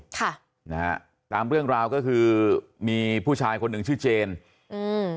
ค่ะนะฮะตามเรื่องราวก็คือมีผู้ชายคนหนึ่งชื่อเจนอืม